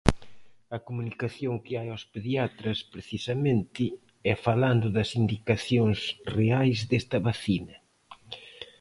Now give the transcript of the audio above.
A comunicación que hai aos pediatras, precisamente, é falando das indicacións reais desta vacina.